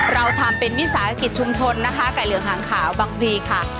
เราทำเป็นวิธีชุมชนไก่เหลืองหางขาวบางพลีค่ะ